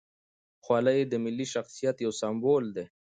خولۍ د ملي شخصیت یو سمبول دی.